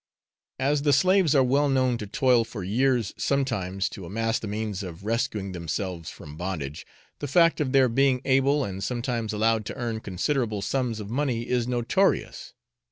As the slaves are well known to toil for years sometimes to amass the means of rescuing themselves from bondage, the fact of their being able and sometimes allowed to earn considerable sums of money is notorious.